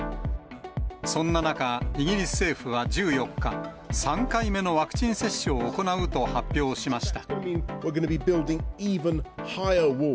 そんな中、イギリス政府は１４日、３回目のワクチン接種を行うと発表しました。